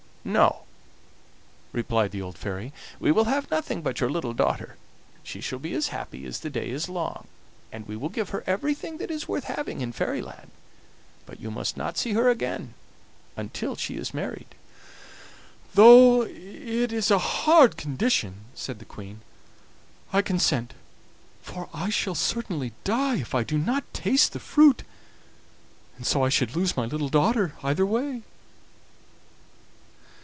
"'No,' replied the old fairy, 'we will have nothing but your little daughter. She shall be as happy as the day is long, and we will give her everything that is worth having in fairy land, but you must not see her again until she is married.' "'Though it is a hard condition,' said the Queen, 'I consent, for I shall certainly die if I do not taste the fruit, and so I should lose my little daughter either way.